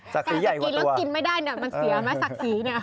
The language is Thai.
สักศรีใหญ่กว่าตัวแต่กินแล้วกินไม่ได้เนี่ยมันเสียไหมสักศรีเนี่ย